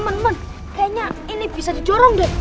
teman teman kayaknya ini bisa dicorong deh